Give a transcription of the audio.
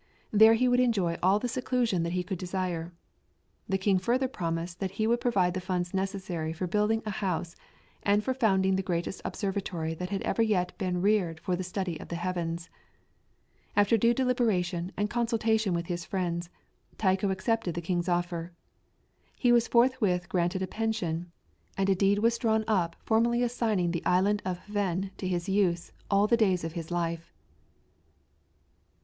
There he would enjoy all the seclusion that he could desire. The king further promised that he would provide the funds necessary for building a house and for founding the greatest observatory that had ever yet been reared for the study of the heavens. After due deliberation and consultation with his friends, Tycho accepted the king's offer. He was forthwith granted a pension, and a deed was drawn up formally assigning the Island of Hven to his use all the days of his life.